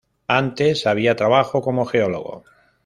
Antes, había trabajó como geólogo.